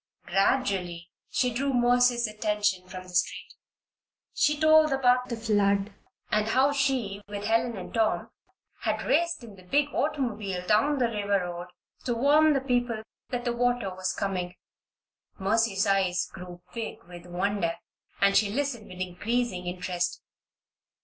Gradually she drew Mercy's attention from the street. She told about the flood, and how she, with Helen and Tom, had raced in the big automobile down the river road to warn the people that the water was coming. Mercy's eyes grew big with wonder and she listened with increasing interest.